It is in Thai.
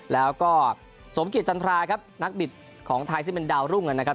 แล้วก็สมเกียจจันทราครับนักบิดของไทยซึ่งเป็นดาวรุ่งนะครับ